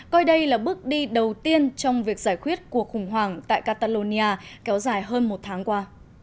coi đây là bước đi đầu tiên trong việc giải quyết cuộc khủng hoảng tại catalonia kéo dài hơn một tháng qua